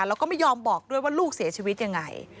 แล้วก็ไม่ยอมบอกด้วยว่าลูกเสียชีวิตยังไง